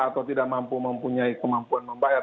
atau tidak mampu mempunyai kemampuan membayar